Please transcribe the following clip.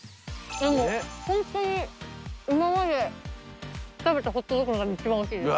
ホントに今まで食べたホットドッグの中で一番美味しいです。